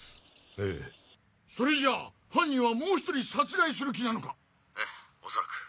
ええ。それじゃあ犯人はもう１人殺害する気なのか⁉ええおそらく。